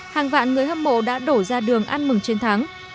hàng vạn người hâm mộ đã đổ ra đường ăn mừng chiến thắng